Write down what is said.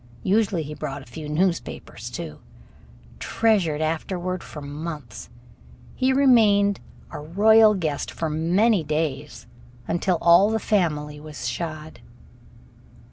Usually he brought a few newspapers too, treasured afterward for months. He remained, a royal guest, for many days, until all the family was shod.